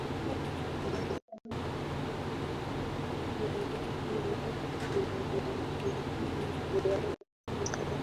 arekani inaonya kuwa hali inavyoonekana ni hatari sana